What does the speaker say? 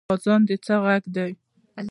اذان د څه غږ دی؟